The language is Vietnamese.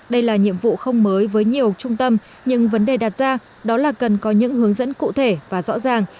đây là nhiệm vụ không mới với nhiều trung tâm nhưng vấn đề đặt ra đó là cần có những hướng dẫn cụ thể và rõ ràng